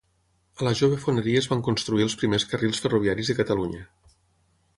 A la jove foneria es van construir els primers carrils ferroviaris de Catalunya.